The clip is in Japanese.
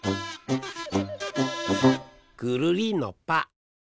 ぐるりんのぱ！